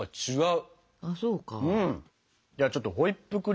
じゃあちょっとホイップクリームを。